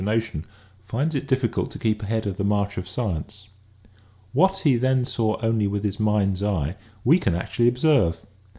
THE MAGNIFICATION OF MOTION 63 tion finds it difficult to keep ahead of the march of science. What he then saw only with his mind's eye we can actually observe.